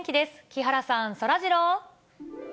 木原さん、そらジロー。